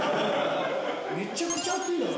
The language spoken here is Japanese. めちゃくちゃ熱いよ。